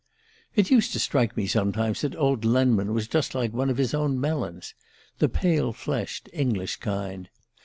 "It used to strike me sometimes that old Lenman was just like one of his own melons the pale fleshed English kind.